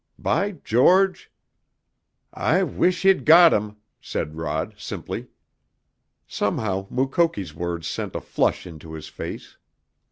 By George " "I wish he'd got him," said Rod simply. Somehow Mukoki's words sent a flush into his face.